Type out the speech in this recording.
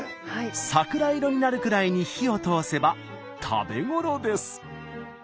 桜色になるくらいに火を通せば食べ頃です。